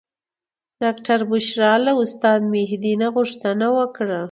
ډاکټرې بشرا له استاد مهدي نه غوښتنه وکړه.